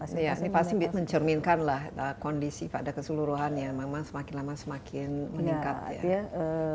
ini pasti mencerminkan lah kondisi pada keseluruhannya memang semakin lama semakin meningkat ya